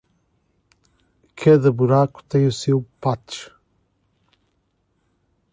Cada buraco tem seu patch.